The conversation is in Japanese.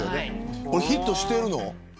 これヒットしているの。